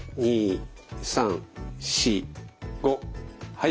はい。